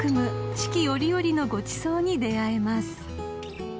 四季折々のごちそうに出合えます］